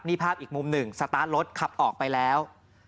นี่ภาพอีกมุมหนึ่งสตาร์ทรถขับออกไปแล้ว